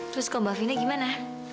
terus ke mbak fina gimana